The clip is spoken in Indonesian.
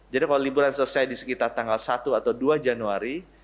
jadi kalau liburan selesai di sekitar tanggal satu atau dua januari